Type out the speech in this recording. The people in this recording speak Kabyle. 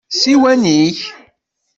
D ssiwan-ik?